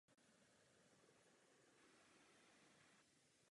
Teprve po jeho smrti se Konstantin sám ujal vládních úkolů.